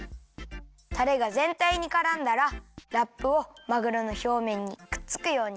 たれがぜんたいにからんだらラップをまぐろのひょうめんにくっつくようにかけるよ。